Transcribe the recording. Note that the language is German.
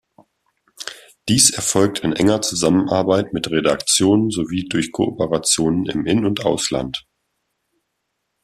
Dies erfolgt in enger Zusammenarbeit mit Redaktionen sowie durch Kooperationen im In- und Ausland.